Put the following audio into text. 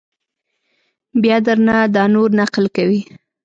بیا در نه دا نور نقل کوي!